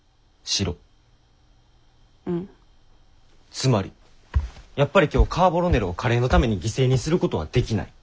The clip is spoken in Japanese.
つまりやっぱり今日カーボロネロをカレーのために犠牲にすることはできない。